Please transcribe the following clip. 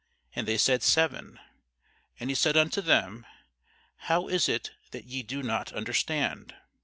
And they said, Seven. And he said unto them, How is it that ye do not understand?